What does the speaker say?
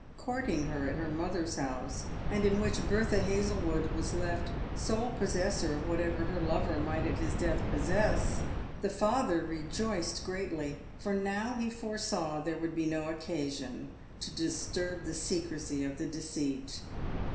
courting her at her mother's house, and in which Bertha Hazlewood was left sole possessor of whatever her lover might at his death possess, the father rejoiced greatly, for now he foresaw there would he no occasion to disturb the secrecy of the deceit.